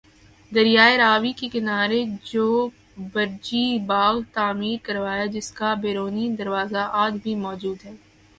دریائے راوی کے کنارے چوبرجی باغ تعمیر کروایا جس کا بیرونی دروازہ آج بھی موجود ہے